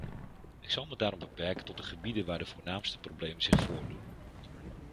Ik zal me daarom beperken tot de gebieden waar de voornaamste problemen zich voordoen.